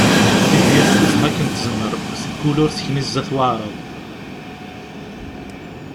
Dihya tkufeḥ akken tezmer, teggul ur tekni zdat Waεrab.